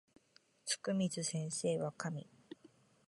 つくみず先生は神